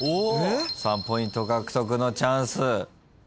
３ポイント獲得のチャンス。